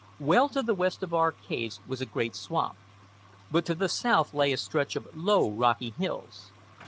Well to the west of our caves was a great swamp, but to the south lay a stretch of low, rocky hills.